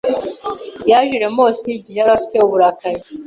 Yaje i Lemnos igihe yari afite uburakari